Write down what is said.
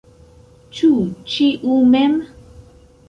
Ĉu ĉiu mem?